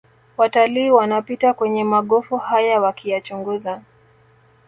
Watalii wanapita kwenye magofu haya wakiyachunguza